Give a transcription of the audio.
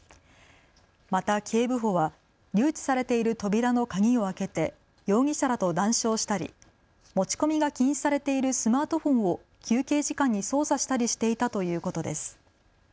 また警部補は留置されている扉の鍵を開けて容疑者らと談笑したり持ち込みが禁止されているスマートフォンを休憩時間に操作したりしていたということです。